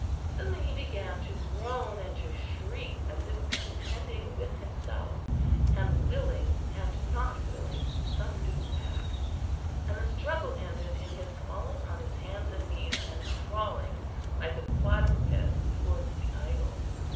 Suddenly he began to groan and to shriek, as if contending with himself, and willing and not willing some new act; and the struggle ended in his falling on his hands and knees, and crawling like a quadruped towards the idol.